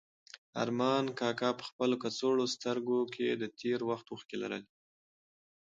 ارمان کاکا په خپلو کڅوړنو سترګو کې د تېر وخت اوښکې لرلې.